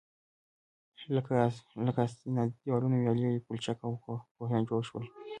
لكه: استنادي دېوالونه، ويالې، پولچك او كوهيان جوړ شول.